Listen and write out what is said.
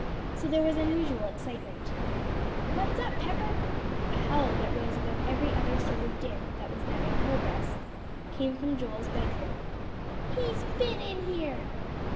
So there was unusual excitement. "What's up, Pepper?" A howl that rose above every other sort of din that was then in progress, came from Joel's room. "He's been in here!"